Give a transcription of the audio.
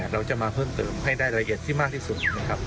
เราจะมาเพิ่มเติมให้ได้ละเอียดที่มากที่สุดนะครับ